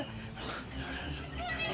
tidak tidak tidak